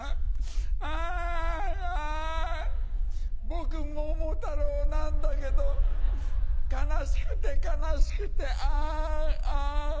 僕桃太郎なんだけど悲しくて悲しくてアンアン。